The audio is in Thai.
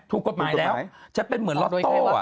ถูกกฎหมายแล้วจะเป็นเหมือนล็อตโต้